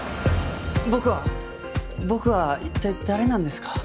僕は僕は一体誰なんですか？